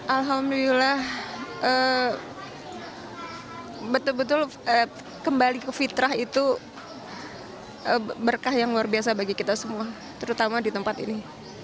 alhamdulillah betul betul kembali ke fitrah itu berkah yang luar biasa bagi kita semua terutama di tempat ini